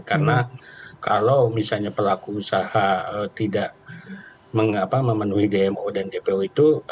karena kalau misalnya pelaku usaha tidak memenuhi dmo dan cpo itu